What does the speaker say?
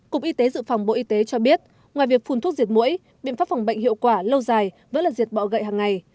cục y tế dự phòng bộ y tế cho biết ngoài việc phun thuốc diệt mũi biện pháp phòng bệnh hiệu quả lâu dài với lần diệt bọ gậy hàng ngày